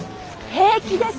平気です！